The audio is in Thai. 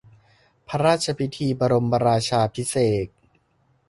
พระราชพิธีบรมราชาภิเษก